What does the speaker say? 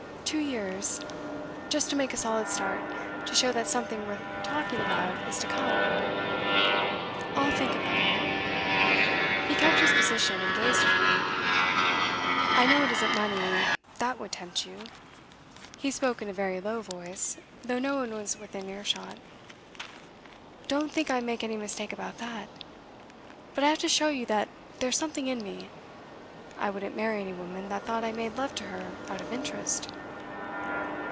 'Two years: just to make a solid start; to show that something worth talking 'about is to come?' 'I'll think about it.' He kept his position, and gazed at her. 'I know it isn't money that would tempt you.' He spoke in a very low voice, though no one was within earshot. 'Don't think I make any mistake about that! But I have to show you that there's something in me. I wouldn't marry any woman that thought I made love to her out of interest.